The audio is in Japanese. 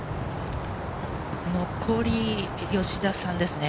残り吉田さんですね。